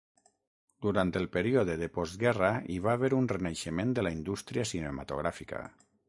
Durant el període de postguerra hi va haver un renaixement de la indústria cinematogràfica.